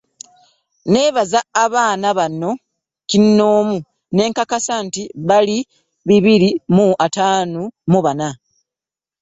Nabaze abaana bano kinnomu nenkakasa nti bali bibiri mu ataano mu bana.